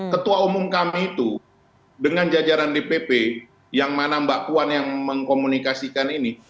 ketua umum kami itu dengan jajaran dpp yang mana mbak puan yang mengkomunikasikan ini